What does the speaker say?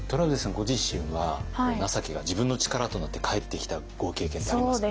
ご自身は情けが自分の力となって返ってきたご経験ってありますか？